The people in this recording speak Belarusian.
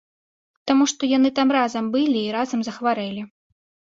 Таму што яны там разам былі і разам захварэлі.